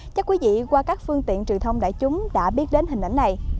chắc quý vị qua các phương tiện truyền thông đại chúng đã biết đến hình ảnh này